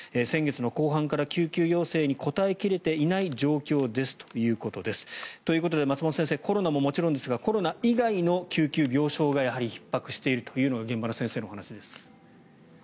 先月後半から救急要請に応え切れていない状況ですと。ということで松本先生コロナももちろんですがコロナ以外の救急の病床がひっ迫しているというのが現場の先生のお話です。